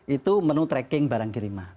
itu menu tracking barang kiriman